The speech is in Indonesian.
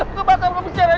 agus gitu kebakar keberadaan